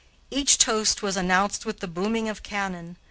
Each toast was announced with the booming of cannon.